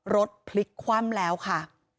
รถพลิกคว่ำแล้วค่ะ